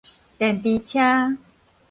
電池車